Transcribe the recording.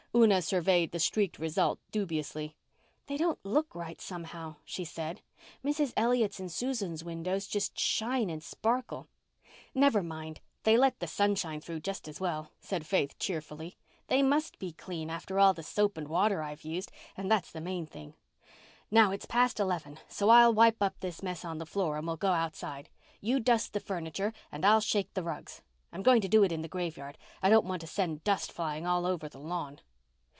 Una surveyed the streaked result dubiously. "They don't look right, somehow," she said. "Mrs. Elliott's and Susan's windows just shine and sparkle." "Never mind. They let the sunshine through just as well," said Faith cheerfully. "They must be clean after all the soap and water I've used, and that's the main thing. Now, it's past eleven, so I'll wipe up this mess on the floor and we'll go outside. You dust the furniture and I'll shake the rugs. I'm going to do it in the graveyard. I don't want to send dust flying all over the lawn."